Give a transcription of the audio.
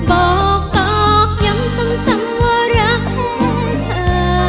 บอกตอกยังต้มซ้ำว่ารักให้เธอ